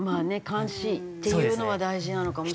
監視っていうのは大事なのかもしれない。